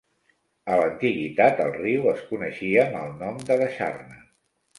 A l'antiguitat, el riu es coneixia amb el nom de "Dasharna".